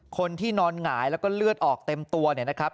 คนที่นอนหงายแล้วก็เลือดออกเต็มตัวเนี่ยนะครับ